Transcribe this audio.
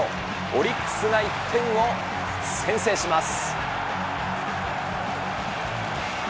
オリックスが１点を先制します。